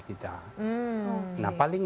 kita nah paling